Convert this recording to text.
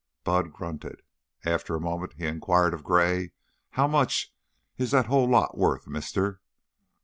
Bud grunted. After a moment he inquired of Gray, "How much is that hull lot wuth, Mister?"